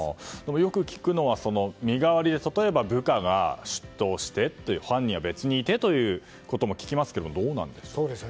よく聞くのは、身代わりで例えば部下が出頭して犯人は別にいてということも聞きますが、どうなんでしょう。